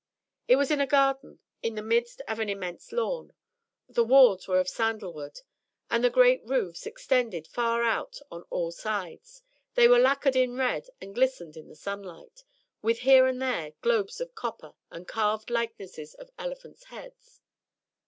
It was in a garden, in the midst of an immense lawn. The walls were of sandal wood, and the great roofs extended far out on all sides; they were lacquered in red and glistened in the sunlight, with here and there globes of copper, and carved likenesses of elephants* heads.